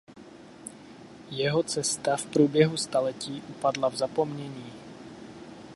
Jeho cesta v průběhu staletí upadla v zapomnění.